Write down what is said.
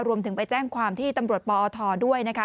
รวมถึงไปแจ้งความที่ตำรวจปอทด้วยนะคะ